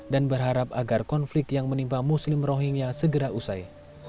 dan berharap agar konflik yang menimpa muslim rohingya segera usai